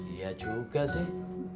iya juga sih